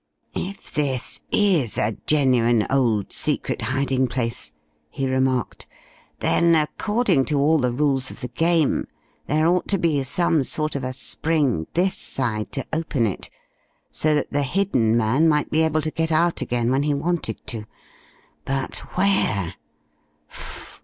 "If this is a genuine old secret hiding place," he remarked, "then according to all the rules of the game there ought to be some sort of a spring this side to open it, so that the hidden man might be able to get out again when he wanted to. But where?